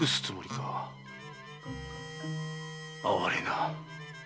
哀れな。